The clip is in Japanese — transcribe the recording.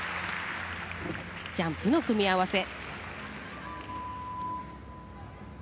ジャンプの組み合わせ。